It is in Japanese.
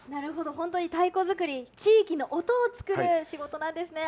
なるほど、本当に太鼓作り、地域の音を作る仕事なんですね。